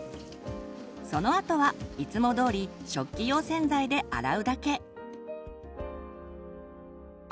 そのあとはいつもどおり食器用洗剤で洗うだけ。